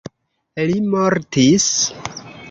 Li mortis.